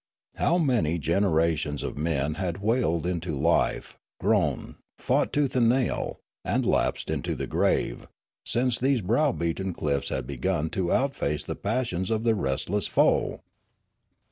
How many generations of men had wailed into life, grown, fought tooth and nail, and lapsed into the grave, since these browbeaten cliffs had begun to outface the passions of their restless foe